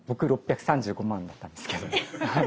僕６３５万だったんですけど。